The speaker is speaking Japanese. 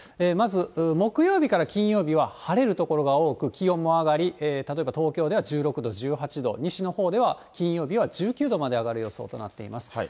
まず木曜日から金曜日は晴れる所が多く、気温も上がり、例えば東京では１６度、１８度、西のほうでは金曜日は１９度まで上がる予想となっています。